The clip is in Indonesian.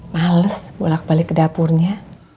males bolak balik ke dapurnya